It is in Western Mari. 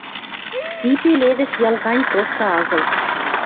— ти пеледӹш йӓл гань проста агыл».